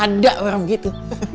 ada orang gitu